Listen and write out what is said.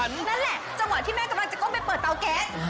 นั่นแหละจังหวะที่แม่กำลังจะก้มไปเปิดเตาแก๊ส